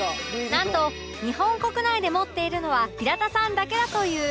なんと日本国内で持っているのは平田さんだけだという